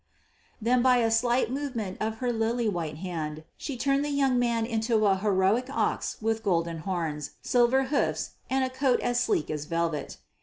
Then by a slight movement of her lily white hand she turned the young man into a heroic ox with golden horns, silver hoofs, and a coat as sleek as velvet.